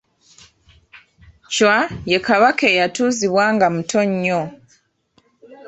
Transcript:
Chwa ye Kabaka eyatuuzibwa nga muto nnyo.